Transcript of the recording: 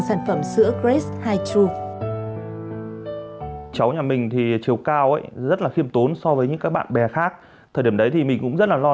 bộ sản phẩm sữa grace hai true